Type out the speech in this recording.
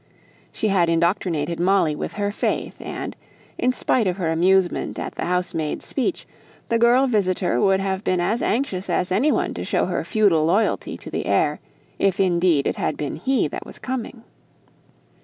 She had indoctrinated Molly with her faith, and, in spite of her amusement at the housemaid's speech, the girl visitor would have been as anxious as any one to show her feudal loyalty to the heir, if indeed it had been he that was coming.